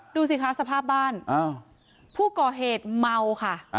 ดูสิคะสภาพบ้านผู้ก่อเหตุเมาค่ะ